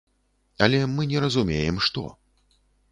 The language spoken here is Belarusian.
Але мы не разумеем, што.